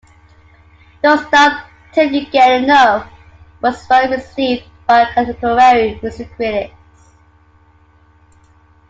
"Don't Stop 'Til You Get Enough" was well received by contemporary music critics.